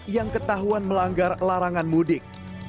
yang ketahuan melanggar larangan mudik